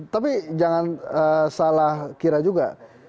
tapi jangan salah kira juga